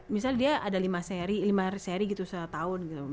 misalnya dia ada lima seri gitu setahun gitu